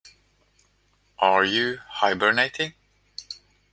Are you hibernating?